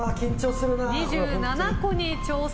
２７個に挑戦。